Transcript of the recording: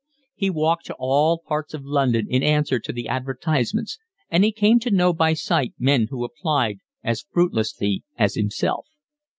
He walked to all parts of London in answer to the advertisements, and he came to know by sight men who applied as fruitlessly as himself.